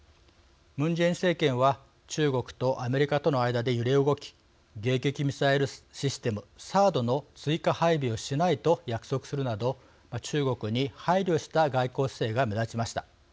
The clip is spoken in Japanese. ムン・ジェイン政権は中国とアメリカとの間で揺れ動き迎撃ミサイルシステム＝ＴＨＡＡＤの追加配備をしないと約束するなど中国に配慮した外交姿勢が目立ちました。